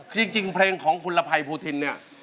จริงเพลงของคุณละภัยภูทินเนี่ย